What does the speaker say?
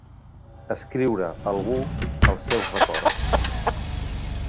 Escriure, algú, els seus records.